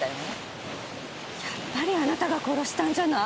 やっぱりあなたが殺したんじゃない。